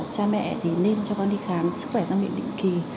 cha mẹ thì nên cho con đi khám sức khỏe giang miệng định kỳ